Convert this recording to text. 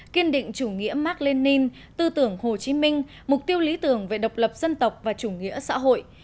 kiên định chủ nghĩa mark lenin tư tưởng hồ chí minh mục tiêu lý tưởng về độc lập dân tộc và chủ nghĩa xã hội